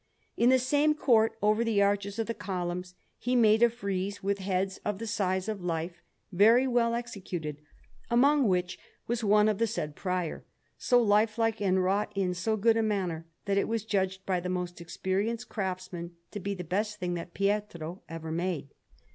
In the same court, over the arches of the columns, he made a frieze with heads of the size of life, very well executed, among which was one of the said Prior, so lifelike and wrought in so good a manner, that it was judged by the most experienced craftsmen to be the best thing that Pietro ever made.